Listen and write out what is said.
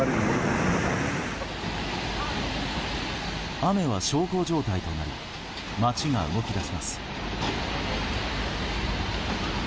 雨は小康状態となり街が動き出します。